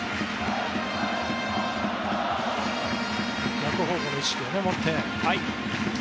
逆方向の意識を持って。